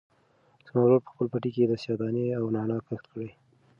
زما ورور په خپل پټي کې د سیاه دانې او نعناع کښت کړی.